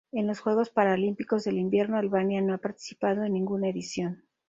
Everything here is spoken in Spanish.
En los Juegos Paralímpicos de Invierno Albania no ha participado en ninguna edición.